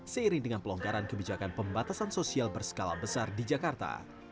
seiring dengan pelonggaran kebijakan pembatasan sosial berskala besar di jakarta